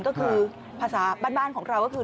ก็คือภาษาบ้านของเราก็คือ